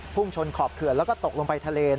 ชนขอบเขื่อนแล้วก็ตกลงไปทะเล